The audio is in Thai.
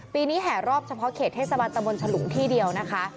ปีนี้แห่รอบเฉพาะเขตเทศบาลตะบนฉลุงที่เดียวนะคะ